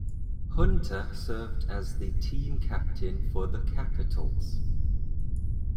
Hunter served as the team captain for the Capitals.